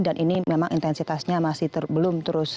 dan ini memang intensitasnya masih belum terus